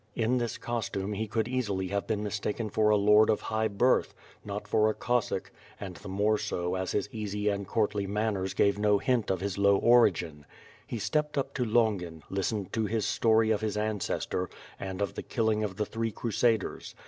In this costume he could easily have been mistaken for a lord of high birth, not for a Cossack, and the more so as his easy and courtly manners gave no hint of his low origin. He stepped up to Longin, list ened to his story of his ancestor, and of the killing of the three crusaders.